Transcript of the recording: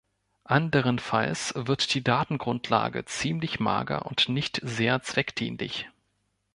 Anderenfalls wird die Datengrundlage ziemlich mager und nicht sehr zweckdienlich.